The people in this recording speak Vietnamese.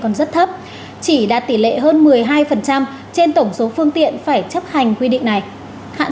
còn rất thấp chỉ đạt tỷ lệ hơn một mươi hai trên tổng số phương tiện phải chấp hành quy định này hạn